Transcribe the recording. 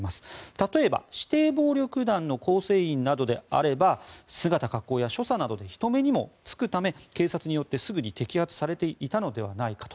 例えば指定暴力団の構成員などであれば姿格好や所作などで人目にもつくため警察によってすぐに摘発されていたのではないかと。